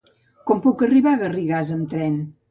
Com puc arribar a Garrigàs amb tren?